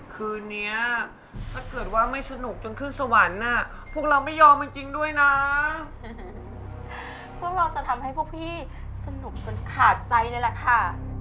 คืนนี้ถ้าเกิดว่าไม่สนุกจนขึ้นสวรรค์พวกเราไม่ยอมจริงด้วยนะพวกเราจะทำให้พวกพี่สนุกจนขาดใจเลยแหละค่ะ